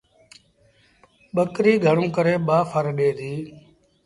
ٻڪريٚ گھڻوݩ ڪري ٻآ ڦر ڏي ديٚ۔